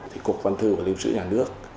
thì cục văn thư và lưu trữ nhà nước